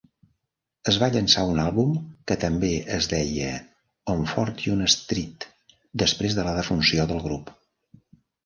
Es va llençar un àlbum, que també es deia "On Fortune Street" després de la defunció del grup.